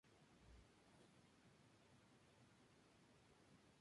Una estudiante de primer año, vive en Hokkaido.